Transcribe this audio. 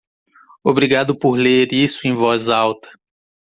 Obrigado por ler isso em voz alta.